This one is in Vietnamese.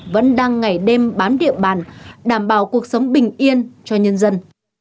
vẫn đang ngày đêm bám địa bàn đảm bảo cuộc sống bình yên cho nhân dân